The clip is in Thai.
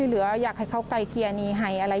แล้วส่งเขาวันเท่าไร